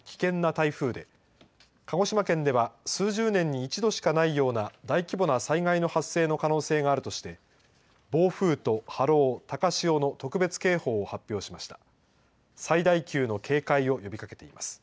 気象庁は今回の台風が過去に例がないような危険な台風で鹿児島県では数十年に１度しかないような大規模な災害の発生の可能性があるとして暴風と波浪高潮の特別警報を発表しました。